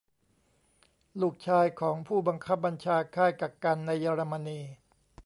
ลูกชายของผู้บังคับบัญชาค่ายกักกันในเยอรมนี